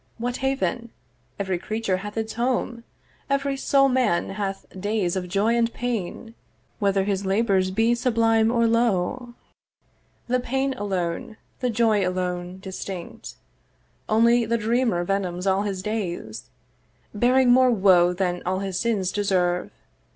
'What haven? every creature hath its home; 'Every sole man hath days of joy and pain, 'Whether his labours be sublime or low 'The pain alone; the joy alone; distinct: 'Only the dreamer venoms all his days, 'Bearing more woe than all his sins deserve.